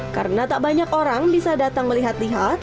karena tak banyak orang bisa datang melihat lihat